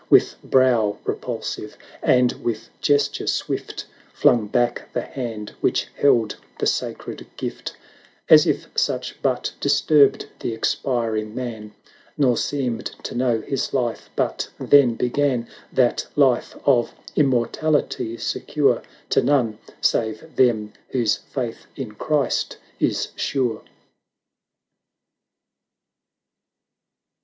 With brow repulsive, and with gesture swift, Flung back the hand which held the sacred gift, 1130 As if such but disturbed the expiring man. Nor seemed to know his life but then began — That Life of Immortality, secure To none, save them whose faith in Christ is sure.